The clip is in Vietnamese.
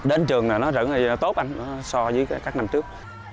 ảnh trường này nó rất là tốt so với các năm trước